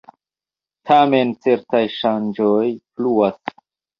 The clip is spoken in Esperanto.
Tamen certaj ŝanĝoj pluas.